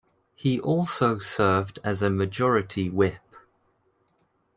He also served as a majority whip.